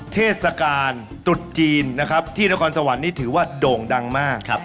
เทศกาลตรุษจีนนะครับที่นครสวรรค์นี่ถือว่าโด่งดังมาก